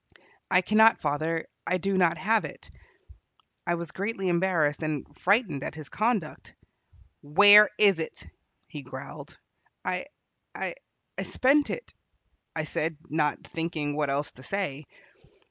"I cannot, father. I do not have it." I was greatly embarrassed and frightened at his conduct. "Where is it?" he growled. "I I spent it," I said, not thinking what else to say.